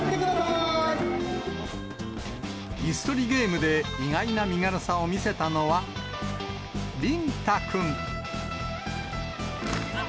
いす取りゲームで意外な身軽さを見せたのは、りん太くん。